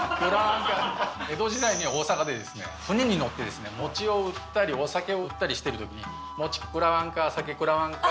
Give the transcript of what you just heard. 江戸時代に大阪で船に乗って餅を売ったりお酒を売ったりしてる時に「餅くらわんか酒くらわんか」。